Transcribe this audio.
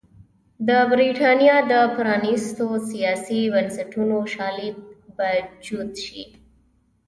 د برېټانیا د پرانېستو سیاسي بنسټونو شالید به جوت شي.